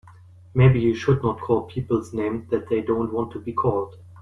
Maybe he should not call people names that they don't want to be called.